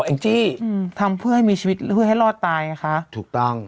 แองจี้อืมทำเพื่อให้มีชีวิตเพื่อให้รอดตายไงคะถูกต้อง